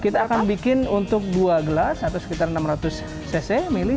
kita akan bikin untuk dua gelas atau sekitar enam ratus cc mili